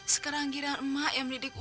sekarang giliran mak yang mendidik ujang